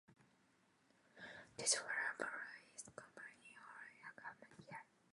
This full-time program is completed in one academic year.